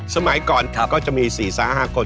สมัยก่อนก็จะมีสี่สามห้าคน